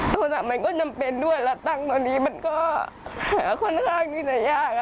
โทรศัพท์ทำเป็นด้วยตั้งตอนนี้มันค่อนข้างมันยาก